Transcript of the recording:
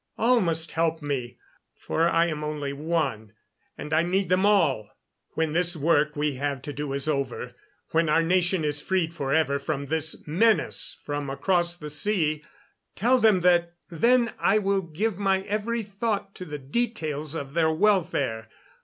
All must help me, for I am only one, and I need them all. When this work we have to do is over, when our nation is freed forever from this menace from across the sea, tell them that then I will give my every thought to the details of their welfare.